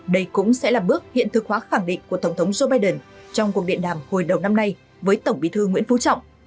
đây cũng sẽ là bước hiện thực hóa khẳng định của tổng thống joe biden trong cuộc điện đàm hồi đầu năm nay với tổng bí thư nguyễn phú trọng